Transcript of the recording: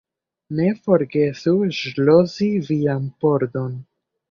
Ne forgesu ŝlosi vian pordon.